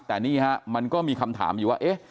แต่นี่ฮะมันก็มีคำถามอยู่ว่าเอ๊ะ